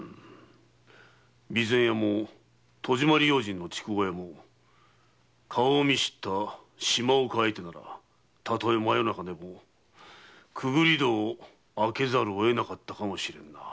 備前屋も筑後屋も顔を見知った島岡相手ならたとえ真夜中でも潜り戸を開けざるを得なかったかもしれぬ。